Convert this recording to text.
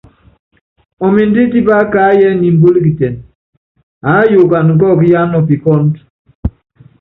Ɔmindɛ́ tipá kaáyíɛ niimbúluikitɛnɛ, aáyukana kɔ́ɔkɔ yaa nɔpikɔ́ɔ^du.